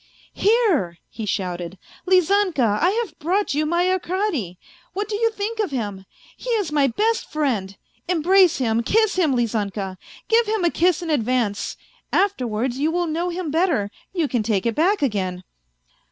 " Here," he shouted, " Lizanka, I have brought you my Arkady ? What do you think of him ? He is my best friend, embrace him, kiss him, Lizanka, give him a kiss in advance ; afterwards you will know him better you can take it back again."